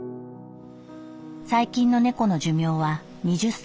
最近の猫の寿命は二十歳。